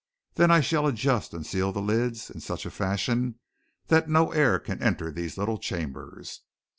Then I shall adjust and seal the lids in such a fashion that no air can enter these little chambers.